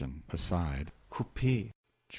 (Aside.) Coupe. GEO.